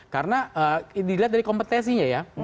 karena dilihat dari kompetesinya ya